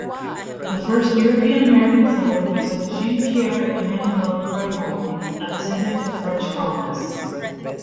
The first European-American settler was Jean Pierre Emanuel Prudhomme, a descendant of French colonists.